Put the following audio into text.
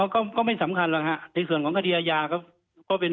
ก็ก็ไม่สำคัญแล้วฮะในส่วนของคดีอายาก็ก็เป็น